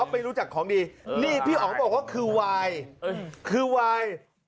พังงะเลย